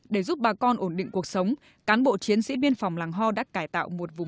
để giúp bà con ổn định cuộc sống cán bộ chiến sĩ biên phòng làng ho đã cải tạo một vùng